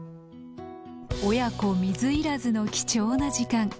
親子水入らずの貴重な時間。